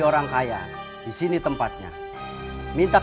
atu sana harus telah mendarat